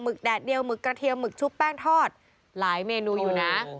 แดดเดียวหมึกกระเทียมหึกชุบแป้งทอดหลายเมนูอยู่นะ